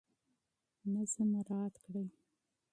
نظم مراعات کړئ.